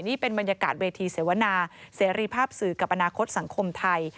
นี่เป็นบรรยากาศเวทีเสวนาเสรีภาพสื่อกับอนาคตสังคมไทย